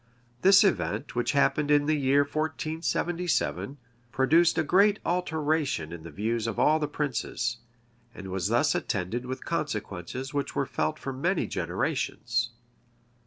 This event, which happened in the year 1477, produced a great alteration in the views of all the princes, and was attended with consequences which were felt for many generations.